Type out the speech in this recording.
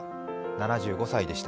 ７５歳でした。